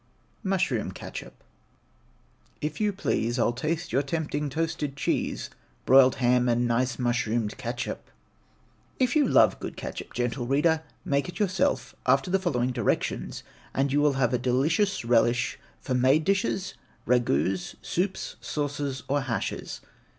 MUSHROOM KETCHUP. If you please, I'll taste your tempting toasted cheese, Broiled ham, and nice mushroom'd ketchup. If you love good ketchup, gentle reader, make it yourself, after the following directions, and you will have a delicious relish for made dishes, ragouts, soup, sauces, or hashes.